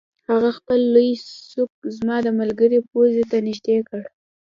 هغه خپل لوی سوک زما د ملګري پوزې ته نږدې کړ